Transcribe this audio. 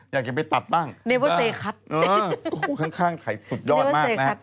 อยากจะไปตัดบ้างค่อนข้างถ่ายสุดยอดมากนะฮะ